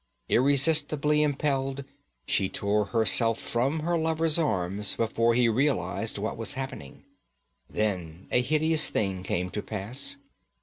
Irresistibly impelled, she tore herself from her lover's arms before he realized what was happening. Then a hideous thing came to pass.